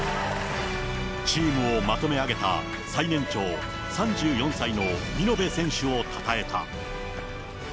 チームをまとめ上げた最年長、３４歳の見延選手をたたえた。